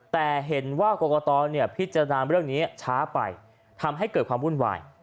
แต่เห็นว่ากรกตพิจารณาเรื่องนี้ช้าไปทำให้เกิดความวุ่นวาย